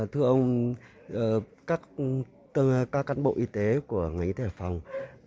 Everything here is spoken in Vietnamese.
thưa ông các cán bộ y tế của nghị y tế phòng